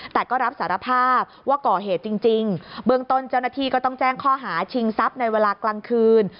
แต่ก็รับสารภาพว่าก่อเหตุจริงเบื้องต้นเจ้าหน้าที่ก็ต้องแจ้งข้อหาชิงทรัพย์ในเวลากลางคืน